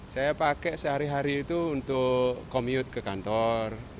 saya pakai sehari hari itu untuk commute ke kantor